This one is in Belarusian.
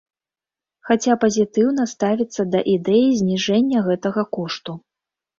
Хаця пазітыўна ставіцца да ідэі зніжэння гэтага кошту.